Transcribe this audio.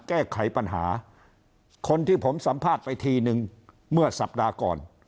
แก้ไขปัญหาคนที่ผมสัมภาษณ์ไปทีนึงเมื่อสัปดาห์ก่อน